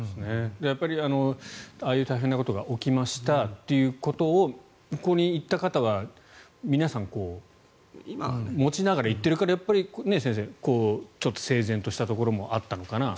やっぱりああいう大変なことが起きましたっていうことをここに行った方は皆さん持ちながら行っているからやっぱり、先生ちょっと整然としたところもあったのかなと。